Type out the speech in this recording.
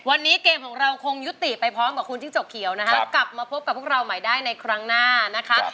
วันนี้เกมของเราคงยุติไปพร้อมกับคุณจิ้งจกเขียวนะคะกลับมาพบกับพวกเราใหม่ได้ในครั้งหน้านะคะ